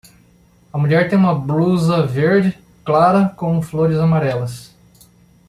A mulher tem uma blusa verde clara com flores amarelas